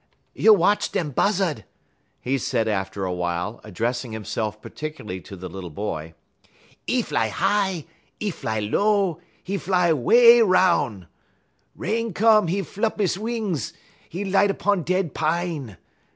"You watch dem Buzzud," he said after awhile, addressing himself particularly to the little boy. "'E fly high, 'e fly low, 'e fly 'way 'roun'. Rain come, 'e flup 'e wings, 'e light 'pon dead pine.